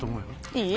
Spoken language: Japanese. いい？